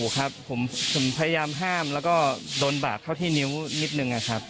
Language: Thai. ก็โดนบากเข้าที่นิ้วนิดนึงอะครับ